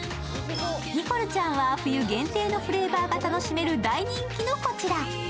ニコルちゃんは冬限定のフレーバーが楽しめる大人気のこちら。